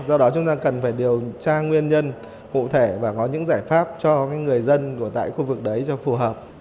do đó chúng ta cần phải điều tra nguyên nhân cụ thể và có những giải pháp cho người dân tại khu vực đấy cho phù hợp